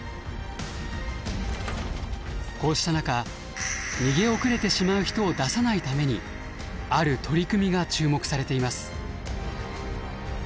こうした中逃げ遅れてしまう人を出さないためにある取り組みが注目されています。